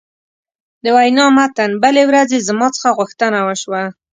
د وینا متن: بلې ورځې زما څخه غوښتنه وشوه.